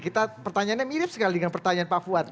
kita pertanyaannya mirip sekali dengan pertanyaan pak fuad